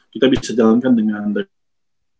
kita bisa jalankan dengan baik